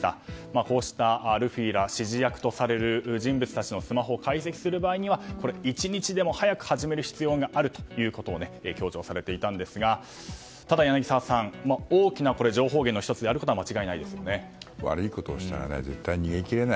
こうしたルフィら指示役とされる人物らのスマホを解析する場合には一日でも早く始める必要があるということを強調されていたんですが柳澤さん、大きな情報源の１つであることは悪いことをしたら絶対に逃げきれない。